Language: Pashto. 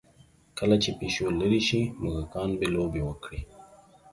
کله چې پیشو لرې شي، موږکان به لوبې وکړي.